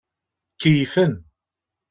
Keyyfen.